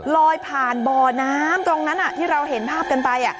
ลอยผ่านบ่อน้ำตรงนั้นที่เราเห็นภาพกันไป